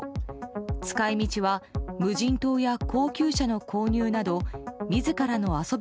使い道は無人島や高級車の購入など自らの遊び